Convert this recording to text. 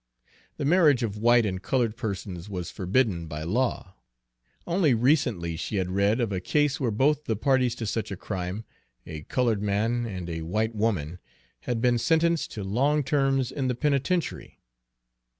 The marriage of white and colored persons was forbidden by law. Only recently she had read of a case where both the parties to such a crime, a colored man and a white woman, had been sentenced to long terms in the penitentiary.